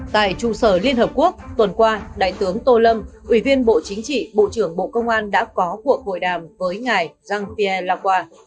tại trung sở liên hợp quốc tuần qua đại tướng tô lâm ủy viên bộ chính trị bộ trưởng bộ công an đã có cuộc hội đàm với ngài jean pierre lacroi